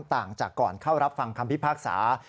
ต่างจากก่อนเข้ารับฟังคำพิพากษา